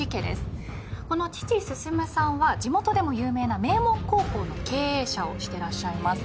この父進さんは地元でも有名な名門高校の経営者をしてらっしゃいます。